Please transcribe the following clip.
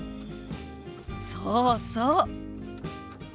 そうそう！